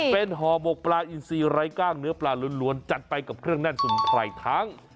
เป็นห่อหมกปลาอินซีไร้กล้างเนื้อปลาล้วนจัดไปกับเครื่องแน่นสมุนไพรทั้ง